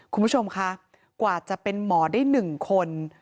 คุณผู้ชมคะกว่าจะเป็นหมอได้๑คน